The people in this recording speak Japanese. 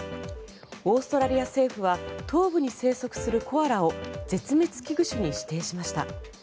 オーストラリア政府は東部に生息するコアラを絶滅危惧種に指定しました。